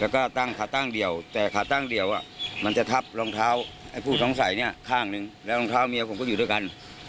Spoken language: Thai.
ก็เดี๋ยวแต่คาร์ตี้เดียวอะมันจะทับรองเท้าผู้ท้องใส่ข้างนึงแล้วรองเท้าเมียผมก็อยู่ด้วยกัน